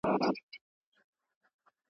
ورته رایې وړلي غوښي د ښکارونو `